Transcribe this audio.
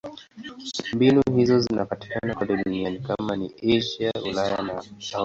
Mbinu hizo zinapatikana kote duniani: kama ni Asia, Ulaya au Afrika.